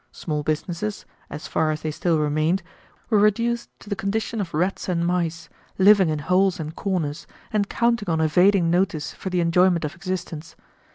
Small businesses, as far as they still remained, were reduced to the condition of rats and mice, living in holes and corners, and counting on evading notice for the enjoyment of existence.